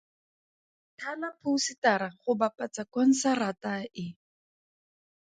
Thala phousetara go bapatsa konsarata e.